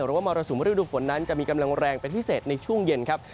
มรสุมฤดูฝนนั้นจะมีกำลังแรงเป็นพิเศษในช่วงเย็นครับ